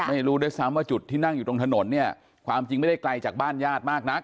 ไม่รู้ด้วยซ้ำว่าจุดที่นั่งอยู่ตรงถนนเนี่ยความจริงไม่ได้ไกลจากบ้านญาติมากนัก